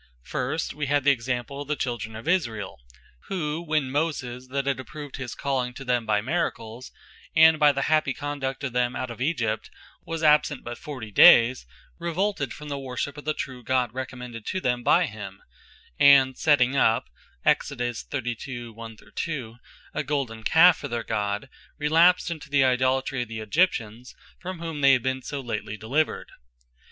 First, we have the Example of the children of Israel; who when Moses, that had approved his Calling to them by Miracles, and by the happy conduct of them out of Egypt, was absent but 40 dayes, revolted from the worship of the true God, recommended to them by him; and setting up (Exod.32 1,2) a Golden Calfe for their God, relapsed into the Idolatry of the Egyptians; from whom they had been so lately delivered.